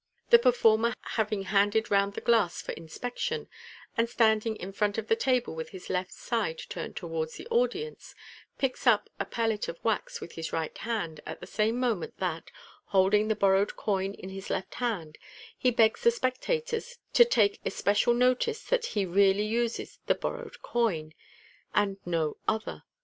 The performer having handed round the glass for in spection, and standing in front of the table with his left side turned towards the audience, picks up a pellet of wax with his right hand at the same moment that, holding the borrowed coin in his left hand, he begs the spectators to take especial notice that he really uses the borrowed coin, and no other.